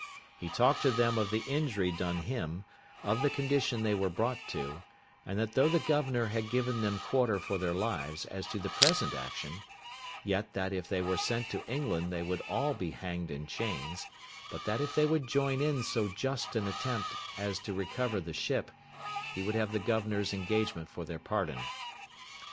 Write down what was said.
He talked to them of the injury done him, of the condition they were brought to, and that though the governor had given them quarter for their lives as to the present action, yet that if they were sent to England they would all be hanged in chains; but that if they would join in so just an attempt as to recover the ship, he would have the governor's engagement for their pardon.